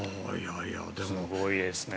すごいですね。